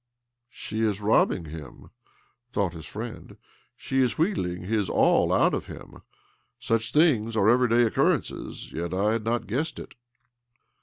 " She is robbing him," thought his friend. " She is wheedling his all out of him. Such things are everyday occurrences, yet I had not guessed it."